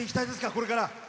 これから。